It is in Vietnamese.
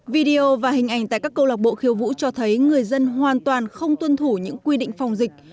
video và hình ảnh tại các câu lạc bộ khiêu vũ cho thấy người dân hoàn toàn không tuân thủ những quy định phòng dịch